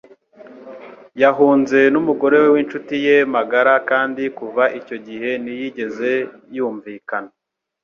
Yahunze n'umugore w'incuti ye magara kandi kuva icyo gihe ntiyigeze yumvikana.